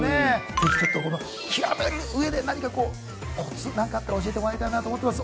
是非ちょっと極めるうえで何かコツなんかあったら教えてもらいたいなと思ってます